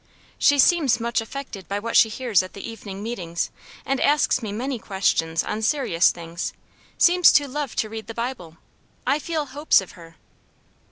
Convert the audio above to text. "She seems much affected by what she hears at the evening meetings, and asks me many questions on serious things; seems to love to read the Bible; I feel hopes of her."